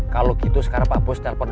kalau gitu sekarang pak bos telpon